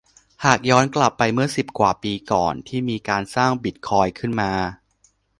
หากย้อนกลับไปเมื่อสิบกว่าปีก่อนที่มีการสร้างบิตคอยน์ขึ้นมา